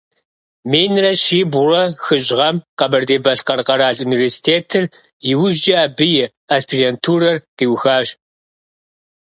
Минрэ щибгъурэ хыщӏ гъэм Къэбэрдей-Балъкъэр къэрал университетыр, иужькӀэ абы и аспирантурэр къиухащ.